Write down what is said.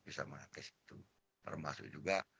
bisa mengakses itu termasuk juga